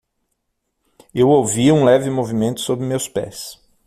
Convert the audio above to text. Eu ouvi um leve movimento sob meus pés.